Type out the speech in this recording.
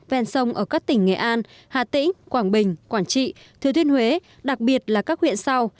ven sông ở các tỉnh nghệ an hà tĩnh quảng bình quảng trị thừa thiên huế đặc biệt là các huyện sau